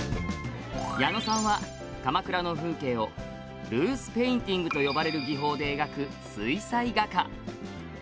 矢野さんは、鎌倉の風景をルースぺインティングと呼ばれる技法で描く水彩画家。